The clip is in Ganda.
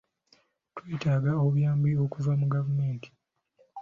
Twetaaga obuyambi okuva mu gavumenti.